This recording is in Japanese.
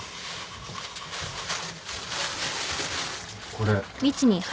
これ。